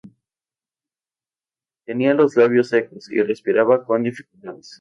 Tenía los labios secos y respiraba con dificultades.